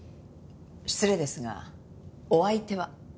失礼ですがお相手は？